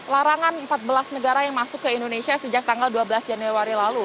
larangan empat belas negara yang masuk ke indonesia sejak tanggal dua belas januari lalu